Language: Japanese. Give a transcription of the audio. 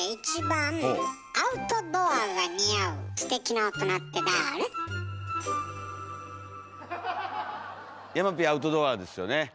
山Ｐアウトドアですよね？